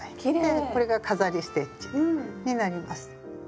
でこれが飾りステッチになります。